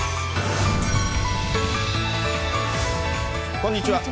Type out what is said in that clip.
こんにちは。